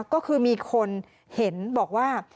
ก็คือมีคนเห็นบอกว่า